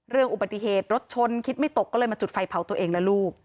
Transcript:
อุบัติเหตุรถชนคิดไม่ตกก็เลยมาจุดไฟเผาตัวเองและลูก